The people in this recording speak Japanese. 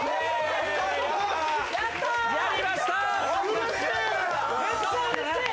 やりました。